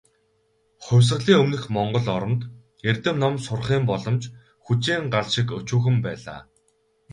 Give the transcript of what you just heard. Хувьсгалын өмнөх монгол оронд, эрдэм ном сурахын боломж "хүжийн гал" шиг тийм өчүүхэн байлаа.